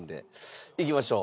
いきましょう。